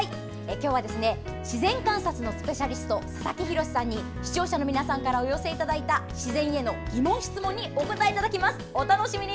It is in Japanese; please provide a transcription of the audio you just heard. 今日は自然観察のスペシャリスト、佐々木洋さんに視聴者の皆さんからお寄せいただいた自然への疑問・質問にお答えいただきます。